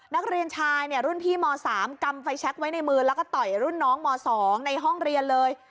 นักเรียนชายเนี่ยรุ่นพี่ม๓กำไฟแช็คไว้ในมือแล้วก็ต่อยรุ่นน้องม๒ในห้องเรียนเลย